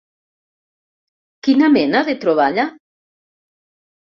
Quina mena de troballa?